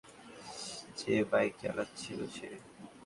যে বাইক চালাচ্ছিল সে?